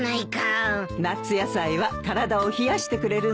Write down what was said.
夏野菜は体を冷やしてくれるんだよ。